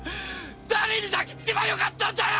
⁉誰に泣きつけばよかったんだよ！